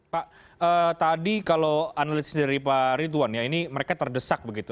pak tadi kalau analisis dari pak ridwan ya ini mereka terdesak begitu